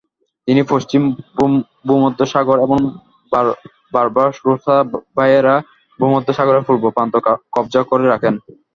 তিনি পশ্চিম ভূমধ্যসাগর এবং বারবারোসা ভাইয়েরা ভূমধ্যসাগরের পূর্ব প্রান্ত কব্জা করে রাখেন।